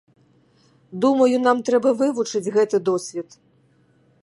Думаю, нам трэба вывучыць гэты досвед.